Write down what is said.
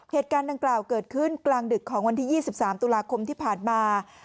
เหตุการณ์ดังกล่าวเกิดขึ้นกลางดึกของวันที่๒๓ตุลาคมที่ผ่านมา